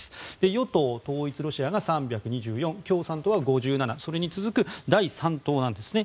与党・統一ロシアが３２４共産党は５７それに続く第３党なんですね。